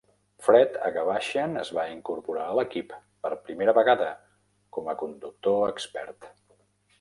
Fred Agabashian es va incorporar a l"equip per primera vegada com a conductor expert.